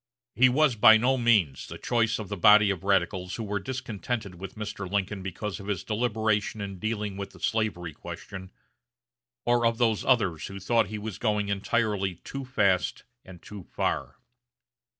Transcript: He was by no means the choice of the body of radicals who were discontented with Mr. Lincoln because of his deliberation in dealing with the slavery question, or of those others who thought he was going entirely too fast and too far.